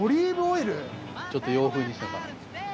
ちょっと洋風にしたから。